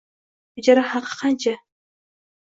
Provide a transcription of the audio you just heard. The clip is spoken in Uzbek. Ijara haqi qancha?